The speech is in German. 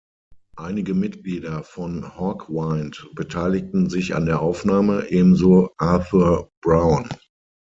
Einige Mitglieder von Hawkwind beteiligten sich an der Aufnahme, ebenso Arthur Brown.